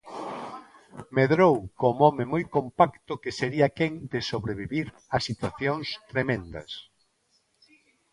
Medrou como home moi compacto que sería quen de sobrevivir a situacións tremendas.